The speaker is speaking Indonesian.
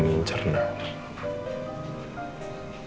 lagi mincer nah